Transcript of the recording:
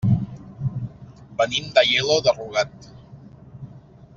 Venim d'Aielo de Rugat.